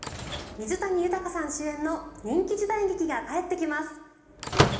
水谷豊さん主演の人気時代劇が帰ってきます。